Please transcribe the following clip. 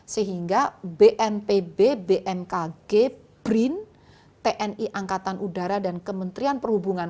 sehingga bnpb bmkg brin tni angkatan udara dan kementerian perhubungan